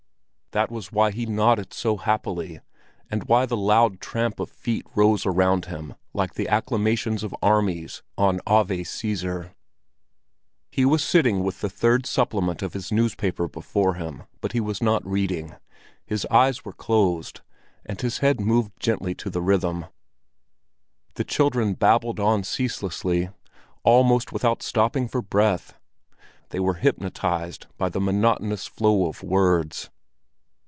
That was why he nodded so happily, and why the loud tramp of feet rose around him like the acclamations of armies, an Ave Cæsar. He was sitting with the third supplement of his newspaper before him, but was not reading; his eyes were closed, and his head moved gently to the rhythm. The children babbled on ceaselessly, almost without stopping for breath; they were hypnotized by the monotonous flow of words.